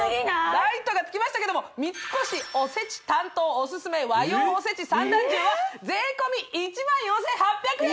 ライトがつきましたけども三越おせち担当おすすめ和洋おせち三段重は税込１４８００円